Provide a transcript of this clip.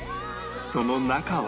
その中は